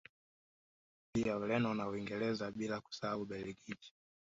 Pia Ureno na Uingereza bila kuisahau Ubelgiji